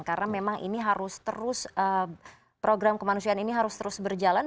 karena memang ini harus terus program kemanusiaan ini harus terus berjalan